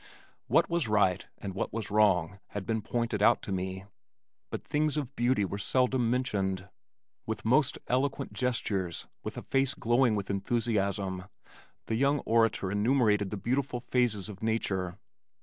What was right and what was wrong had been pointed out to me, but things of beauty were seldom mentioned. With most eloquent gestures, with a face glowing with enthusiasm, the young orator enumerated the beautiful phases of nature.